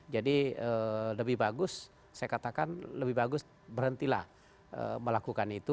jadi lebih bagus saya katakan lebih bagus berhentilah melakukan itu